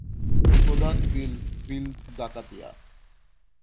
প্রধান বিল: বিল ডাকাতিয়া।